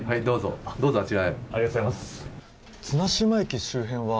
ありがとうございます。